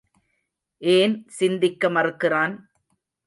ஏன் சிந்திக்க மறுக்கிறான்?